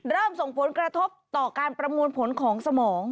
ส่งผลกระทบต่อการประมวลผลของสมอง